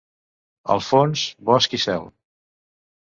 Al fons, bosc i cel.